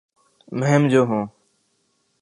مہم جو ہوں